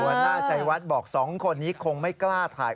หัวหน้าชัยวัดบอก๒คนนี้คงไม่กล้าถ่าย